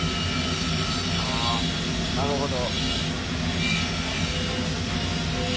あなるほど。